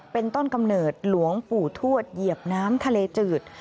เป็นต้นกำเนิดหลวงปู่ทวดเหยียบน้ำทะเลจืด